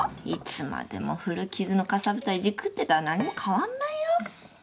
いつまでも古傷のかさぶたいじくってたら何にも変わんないよ？